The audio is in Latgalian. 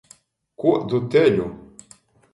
Kuodu teļu!